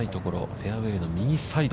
フェアウェイの右サイド。